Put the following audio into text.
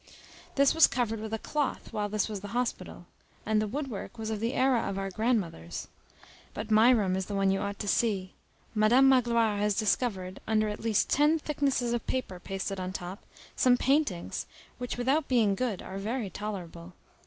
This was covered with a cloth while this was the hospital. And the woodwork was of the era of our grandmothers. But my room is the one you ought to see. Madam Magloire has discovered, under at least ten thicknesses of paper pasted on top, some paintings, which without being good are very tolerable.